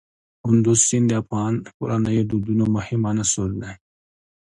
کندز سیند د افغان کورنیو د دودونو مهم عنصر دی.